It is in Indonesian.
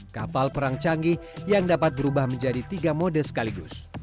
kapal perang canggih yang dapat berubah menjadi tiga mode sekaligus